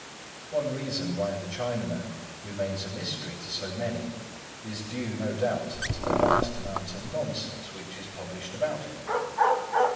One reason why the Chinaman remains a mystery to so many is due, no doubt, to the vast amount of nonsense which is published about him.